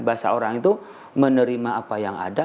bahasa orang itu menerima apa yang ada